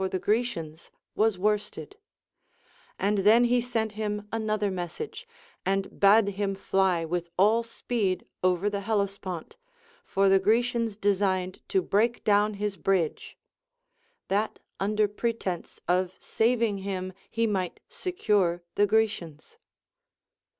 209 the Grecians, was worsted ; and then he sent him another message, and bade him fly with all speed o\'er the Helles pont, for the Grecians designed to break down his bridge ; that under pretence of saving him he might secure the Grecians.